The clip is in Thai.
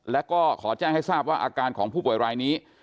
แล้วก็ขอแจ้งให้ทราบว่าอาการของผู้ป่วยรายนี้